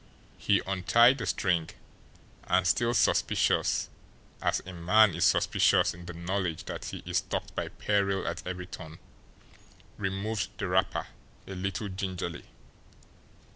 He untied the string, and still suspicious, as a man is suspicious in the knowledge that he is stalked by peril at every turn, removed the wrapper a little gingerly.